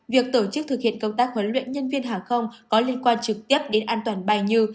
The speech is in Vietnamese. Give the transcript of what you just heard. việc tổ chức thực hiện công tác huấn luyện nhân viên hàng không có liên quan trực tiếp đến an toàn bay như